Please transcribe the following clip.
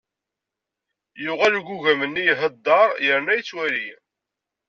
Yuɣal ugugam-nni iheddeṛ, yerna yettwali.